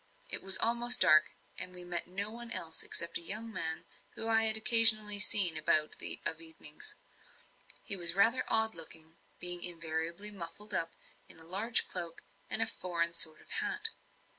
It was almost dark, and we met no one else except a young man, whom I had occasionally seen about of evenings. He was rather odd looking, being invariably muffled up in a large cloak and a foreign sort of hat.